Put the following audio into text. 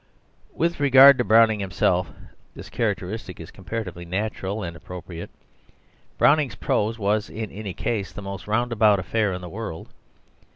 With regard to Browning himself this characteristic is comparatively natural and appropriate. Browning's prose was in any case the most roundabout affair in the world.